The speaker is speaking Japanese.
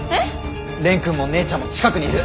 蓮くんも姉ちゃんも近くにいる！